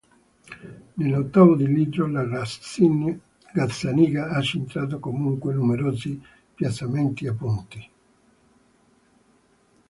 Nella ottavo di litro la Gazzaniga ha centrato comunque numerosi piazzamenti a punti.